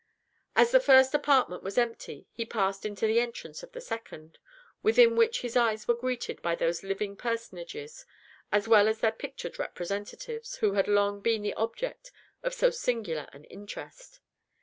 As the first apartment was empty, he passed to the entrance of the second, within which his eyes were greeted by those living personages, as well as their pictured representatives, who had long been the object of so singular an interest.